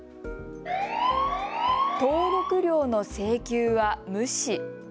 登録料の請求は無視。